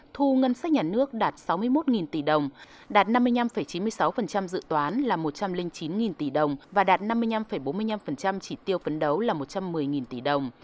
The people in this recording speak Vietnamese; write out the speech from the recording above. thu ngân sách nhà nước đạt sáu mươi một tỷ đồng đạt năm mươi năm chín mươi sáu dự toán là một trăm linh chín tỷ đồng và đạt năm mươi năm bốn mươi năm chỉ tiêu phấn đấu là một trăm một mươi tỷ đồng